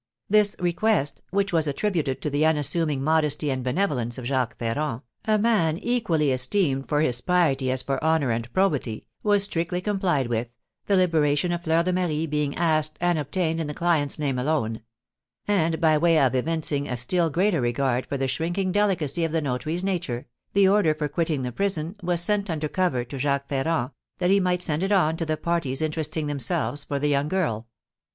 This request, which was attributed to the unassuming modesty and benevolence of Jacques Ferrand, a man equally esteemed for his piety as for honour and probity, was strictly complied with, the liberation of Fleur de Marie being asked and obtained in the client's name alone; and by way of evincing a still greater regard for the shrinking delicacy of the notary's nature, the order for quitting the prison was sent under cover to Jacques Ferrand, that he might send it on to the parties interesting themselves for the young girl.